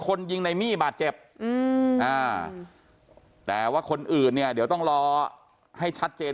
คนยิงในมี่บาดเจ็บอืมอ่าแต่ว่าคนอื่นเนี่ยเดี๋ยวต้องรอให้ชัดเจน